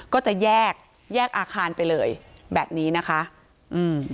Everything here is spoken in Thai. ก็จะแยกแยกอาคารไปเลยแบบนี้นะคะอืม